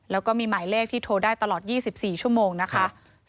แล้วก็มีหมายเลขที่โทรได้ตลอด๒๔ชั่วโมงนะคะ